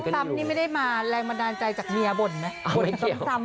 ซ้ำนี่ไม่ได้มาแรงบันดาลใจจากเมียบ่นไหมซ้ำ